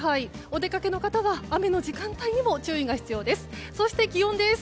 お出かけの方は雨の時間帯にも注意が必要です。